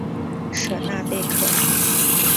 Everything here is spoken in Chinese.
舍纳贝克。